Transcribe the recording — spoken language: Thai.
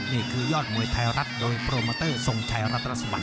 นี่คือยอดมวยไทยรัฐโดยโปรโมเตอร์ทรงชัยรัตนสวรร